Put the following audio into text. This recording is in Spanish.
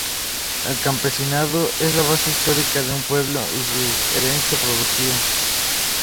El campesinado es la base histórica de un pueblo y su herencia productiva.